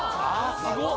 すごっ！